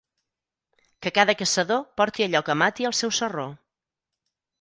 Que cada caçador porti allò que mati al seu sarró.